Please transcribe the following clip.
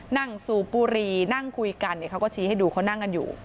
สูบบุรีนั่งคุยกันเขาก็ชี้ให้ดูเขานั่งกันอยู่